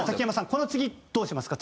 この次どうしますか？